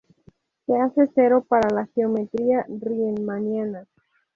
Se hace cero para la geometría Riemanniana.